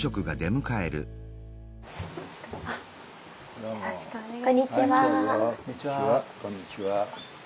こんにちは。